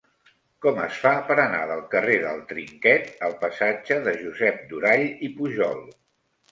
Com es fa per anar del carrer del Trinquet al passatge de Josep Durall i Pujol?